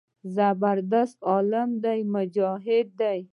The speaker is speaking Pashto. زبردست عالم دى مجاهد دى.